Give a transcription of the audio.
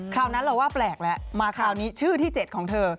ราวนั้นเราว่าแปลกแล้วมาคราวนี้ชื่อที่๗ของเธอ